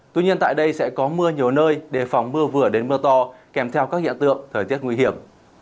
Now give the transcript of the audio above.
tuy nhiên tại đây sẽ có mưa nhiều nơi đề phòng mưa vừa đến mưa to kèm theo các hiện tượng thời tiết nguy hiểm